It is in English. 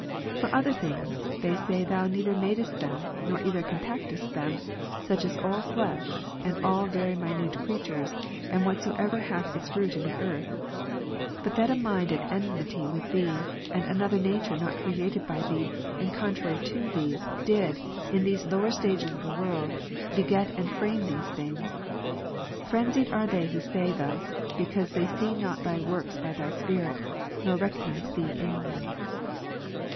For other things, they say Thou neither madest them, nor even compactedst them, such as all flesh and all very minute creatures, and whatsoever hath its root in the earth ; but that a mind at enmity with Thee, and another nature not created by Thee, and contrary unto Thee, did, in these lower stages of the world, beget and frame these things. Phrenzied are they who say thus, because they see not Thy works by Thy Spirit, nor recognize Thee in them.